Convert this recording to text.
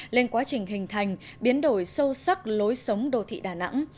lên quá trình hình thành biến đổi sâu sắc lối sống đô thị đà nẵng